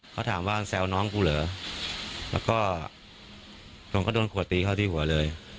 เขาถามว่าแซวน้องกูเหรอแล้วก็ผมก็โดนขวดตีเข้าที่หัวเลย